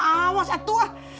awas atuh ah